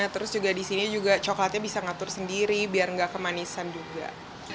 terus juga disini juga coklatnya bisa ngatur sendiri biar gak kemanisan juga